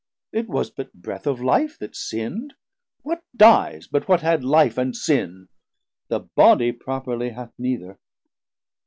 it was but breath Of Life that sinn'd; what dies but what had life 790 And sin? the Bodie properly hath neither.